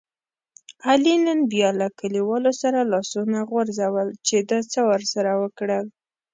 علي نن بیا له کلیوالو سره لاسونه غورځول چې ده څه ورسره وکړل.